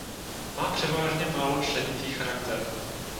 Má převážně málo členitý charakter.